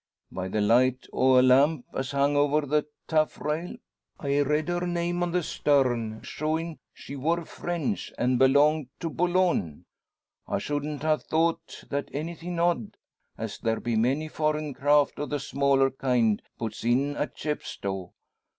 By the light o' a lamp as hung over the taffrail, I read the name on her starn, showin' she wor French, an' belonged to Bolone. I shouldn't ha' thought that anythin' odd, as there be many foreign craft o' the smaller kind puts in at Chepstow.